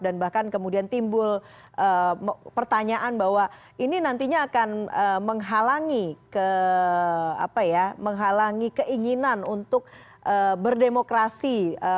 dan bahkan kemudian timbul pertanyaan bahwa ini nantinya akan menghalangi keinginan untuk berdemokrasi